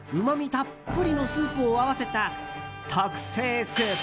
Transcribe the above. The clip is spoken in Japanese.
たっぷりのスープを合わせた、特製スープ。